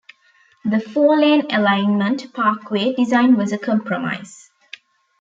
The four-lane alignment, "parkway" design was a compromise.